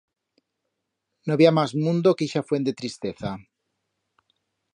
No bi ha mas mundo que ixa fuent de tristeza.